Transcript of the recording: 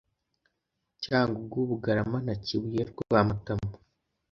cyangugu bugarama na kibuye rwamatamu